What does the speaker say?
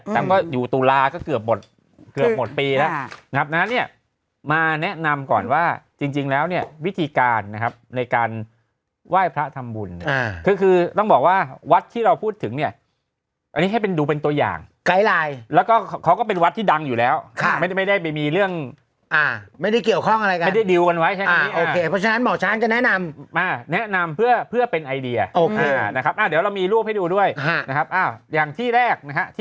แต่ก็อยู่ตุลาก็เกือบหมดเกือบหมดปีแล้วนะครับนั้นเนี่ยมาแนะนำก่อนว่าจริงแล้วเนี่ยวิธีการนะครับในการไหว้พระทำบุญคือคือต้องบอกว่าวัดที่เราพูดถึงเนี่ยอันนี้ให้เป็นดูเป็นตัวอย่างไกลลายแล้วก็เขาก็เป็นวัดที่ดังอยู่แล้วไม่ได้ไปมีเรื่องไม่ได้เกี่ยวข้องอะไรกันไม่ได้ดิวกันไว้แบบนี้เพราะฉะนั้นหมอ